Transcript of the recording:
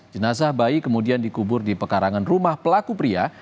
jenazah bayi kemudian dikubur di pekarangan rumah pelaku pria